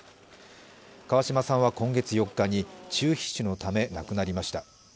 川嶋さんは今月４日に中皮腫のため亡くなりました。